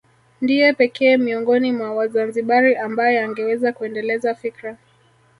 Ndiye pekee miongoni mwa Wazanzibari ambaye angeweza kuendeleza fikra